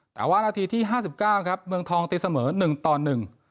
แต่ว่านาทีที่ห้าสิบเก้าครับเมืองทองตีเสมอหนึ่งต่อหนึ่ง